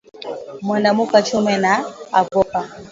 Mwende muka chume ma avoka